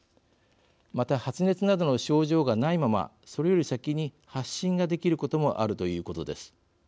また、発熱などの症状がないままそれより先に発疹ができることもあるということです。